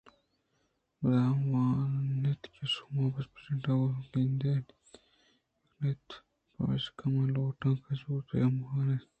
پدا ہما اِنت کہ شومیں سپرنٹنڈنٹ ءَ گوں گندءُ نند بے نپ بوت پمشکا من لوٹاں کہ آزوت گوں من بہ نندیت ءُگپ بہ کنت